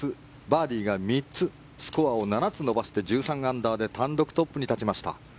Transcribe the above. バーディーが３つスコアを７つ伸ばして１３アンダーで単独トップに立ちました。